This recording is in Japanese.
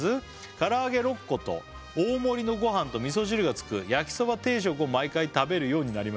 「からあげ６個と大盛りのごはんと味噌汁が付く」「焼きそば定食を毎回食べるようになりました」